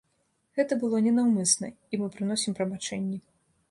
Гэта было ненаўмысна, і мы прыносім прабачэнні.